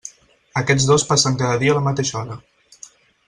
Aquests dos passen cada dia a la mateixa hora.